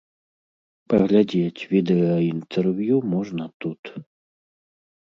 Паглядзець відэаінтэрв'ю можна тут.